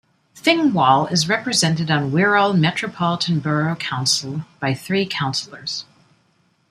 Thingwall is represented on Wirral Metropolitan Borough Council by three councillors.